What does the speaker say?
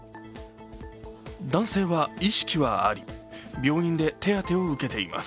男性は意識はあり病院で手当てを受けています。